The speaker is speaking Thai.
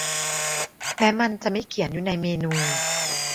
แม้มันจะไม่เขียนอยู่ในเมนู